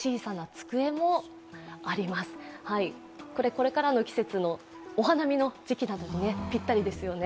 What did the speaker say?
これからの季節のお花見の時期などにぴったりですよね。